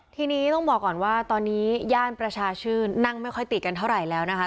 ทีนี้ต้องบอกก่อนว่าตอนนี้ย่านประชาชื่นนั่งไม่ค่อยติดกันเท่าไหร่แล้วนะคะ